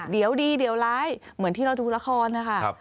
เดี๋ยวดีเดี๋ยวร้ายเหมือนที่เราดูละครนะคะ